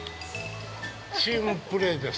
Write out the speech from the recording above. ◆チームプレーです。